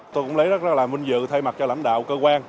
tôi cũng lấy rất là vinh dự thay mặt cho lãnh đạo cơ quan